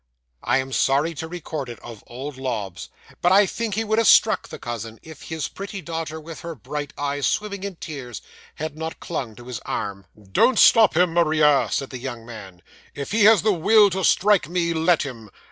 'I am sorry to record it of old Lobbs, but I think he would have struck the cousin, if his pretty daughter, with her bright eyes swimming in tears, had not clung to his arm. '"Don't stop him, Maria," said the young man; "if he has the will to strike me, let him.